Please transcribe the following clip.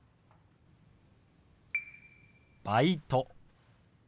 「バイト」。